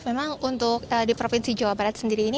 memang untuk di provinsi jawa barat sendiri ini